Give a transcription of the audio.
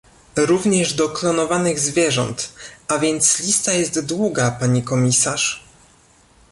Również do klonowanych zwierząt, a więc lista jest długa, pani komisarz